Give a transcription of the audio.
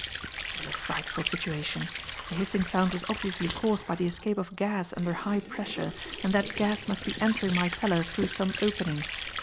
It was a frightful situation. The hissing sound was obviously caused by the escape of gas under high pressure, and that gas must be entering my cellar through some opening.